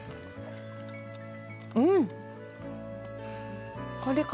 うん。